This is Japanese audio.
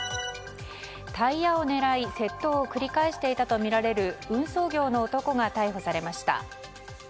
タイヤを狙い窃盗を繰り返していたとみられる運送業の男が逮捕されました。